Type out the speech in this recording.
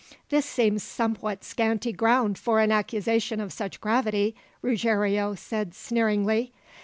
"This seems somewhat scanty ground for an accusation of such gravity," Ruggiero said sneeringly.